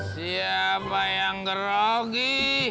siapa yang grogi